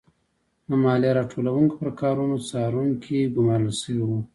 د مالیه راټولوونکو پر کارونو څارونکي ګورمال شوي وو.